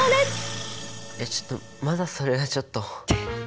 いやちょっとまだそれはちょっと。